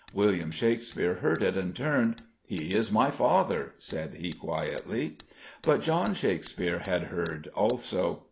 William Shakespeare heard it and turned. "He is my father," said he quietly. But John Shakespeare had heard also.